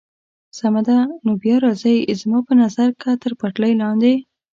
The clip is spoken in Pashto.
سمه ده، نو بیا راځئ، زما په نظر که تر پټلۍ لاندې.